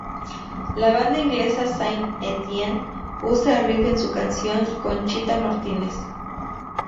La banda inglesa Saint Etienne usa el riff en su canción Conchita Martínez.